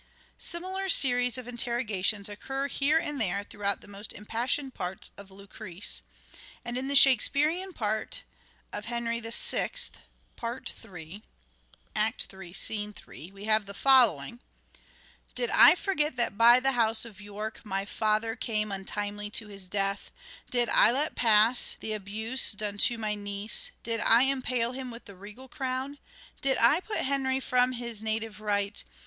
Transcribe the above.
Similar series of interrogations occur here and there throughout the most impassioned parts of " Lucrece "; LYRIC POETRY OF.EDWARD DE VERE 189 and in the Shakespearean part of " Henry VI," part 3 (III. 3), we have the following :—" Did I forget that by the house of York My father came untimely to his death ? Did I let pass the abuse done to my niece ? Did I impale him with the regal crown ? Did I put Henry from his native right